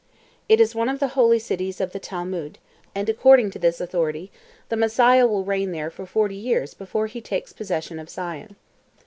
It is one of the holy cities of the Talmud, and according to this authority, the Messiah will reign there for forty years before He takes possession of Sion.